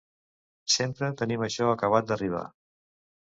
Sempre tenim això acabat d'arribar.